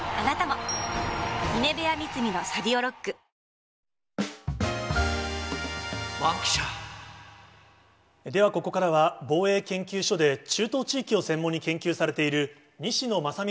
ニトリではここからは、防衛研究所で中東地域を専門に研究されている、西野正巳